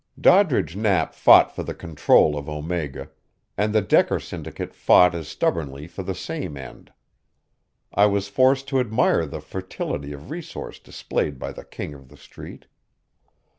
Doddridge Knapp fought for the control of Omega, and the Decker syndicate fought as stubbornly for the same end. I was forced to admire the fertility of resource displayed by the King of the Street.